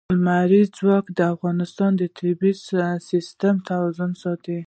لمریز ځواک د افغانستان د طبعي سیسټم توازن ساتي.